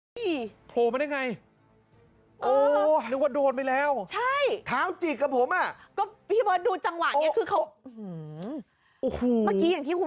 ที่โทรมาได้ไงอ่อนโดนไปแล้วใช้เท่าสิกกับผมอ่ะก็ติดจังหวะนี้คือเขา